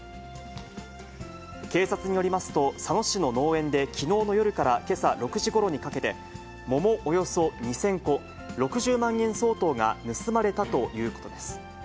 警察によりますと、佐野市の農園できのうの夜からけさ６時ごろにかけて、桃およそ２０００個、６０万円相当が盗まれたということです。